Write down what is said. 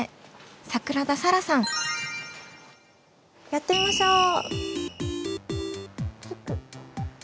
やってみましょう！